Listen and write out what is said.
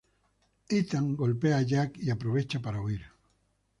Ethan golpea a Jack y aprovecha para huir.